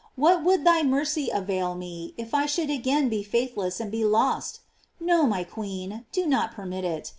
What would thy mercy avail me if I should again be faithless and be lost? Ko, my queen, do not permit it.